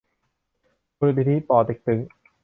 มูลนิธิป่อเต็กตึ๊ง